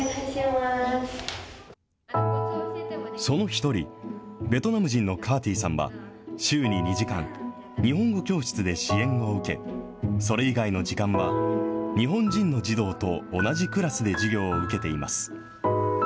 その一人、ベトナム人のカーティーさんは、週に２時間、日本語教室で支援を受け、それ以外の時間は日本人の児童と同じクラスで授業を受けています。